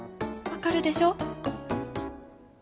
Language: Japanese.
分かるでしょ？